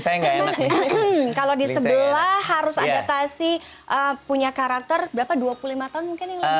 kalau di sebelah harus adaptasi punya karakter berapa dua puluh lima tahun mungkin yang lebih